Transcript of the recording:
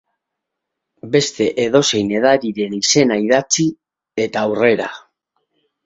Beste edozein edariren izena idatzi, eta aurrera.